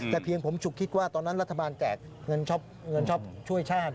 แต่เพียงผมฉุกคิดว่าตอนนั้นรัฐบาลแจกเงินช็อปช่วยชาติ